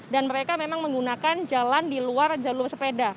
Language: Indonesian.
dan mereka memang menggunakan jalan di luar jalur sepeda